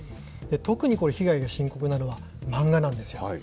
特にこれ、被害が深刻なのは漫画なんですよ。